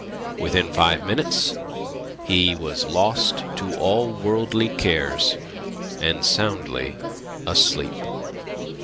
Within five minutes he was lost to all worldly cares and soundly asleep.